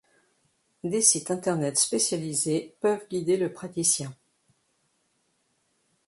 Des sites Internet spécialisés peuvent guider le praticien.